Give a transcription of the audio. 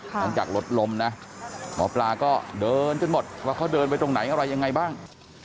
หลังจากรถล้มนะหมอปลาก็เดินจนหมดว่าเขาเดินไปตรงไหนอะไรยังไงบ้าง